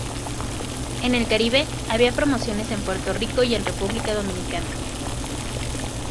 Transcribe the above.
En el Caribe, había promociones en Puerto Rico y en República Dominicana.